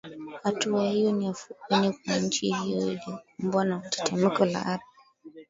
hatua hiyo ni afueni kwa nchi hiyo iliyokumbwa na tetemeko la ardhi